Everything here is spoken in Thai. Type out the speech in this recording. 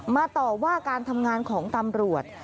ต่อว่าการทำงานของตำรวจ